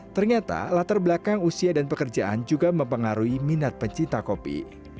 ternyata latar belakang usia dan pekerjaan juga mempengaruhi minat pecinta kopi